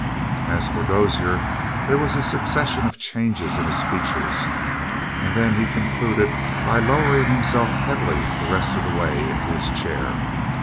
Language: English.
As for Dozier, there was a succession of changes in his features, and then he concluded by lowering himself heavily the rest of the way into his chair.